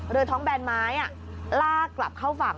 เรือท้องแบนไม้ลากกลับเข้าฝั่ง